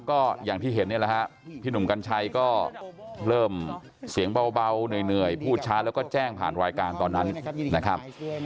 ก็อย่างที่เห็นนี่แหละฮะพี่หนุ่มกัญชัยก็เริ่มเสียงเบาเหนื่อยพูดช้าแล้วก็แจ้งผ่านรายการตอนนั้นนะครับ